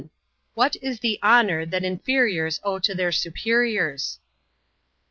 What is the honor that inferiors owe to their superiors? A.